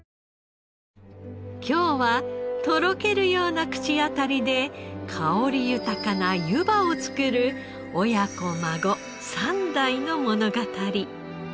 今日はとろけるような口当たりで香り豊かなゆばを作る親子孫三代の物語。